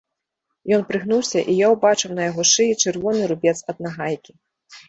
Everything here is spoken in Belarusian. Ён прыгнуўся, і я ўбачыў на яго шыі чырвоны рубец ад нагайкі.